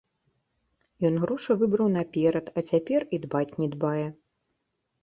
Ён грошы выбраў наперад, а цяпер і дбаць не дбае.